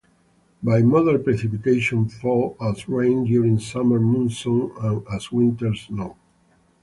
Bi-modal precipitation falls as rain during summer monsoon and as winter snow.